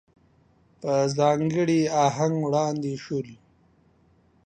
په ځانګړي آهنګ وړاندې شول.